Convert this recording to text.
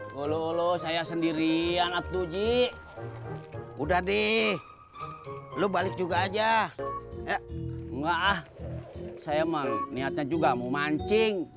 wolo saya sendirian atuh ji udah di lu balik juga aja nggak saya mau niatnya juga mau mancing